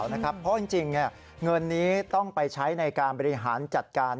เพราะจริงเงินนี้ต้องไปใช้ในการบริหารจัดการ